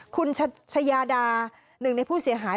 คุณชายาดาหนึ่งในผู้เสียหาย